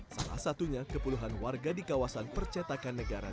salah satunya keperluan warga di kawasan percetakan negara